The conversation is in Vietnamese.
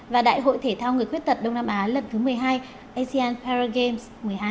và đại hội thể thao người khuyết tật đông nam á lần thứ một mươi hai asean paragame một mươi hai